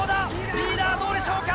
リーダーどうでしょうか？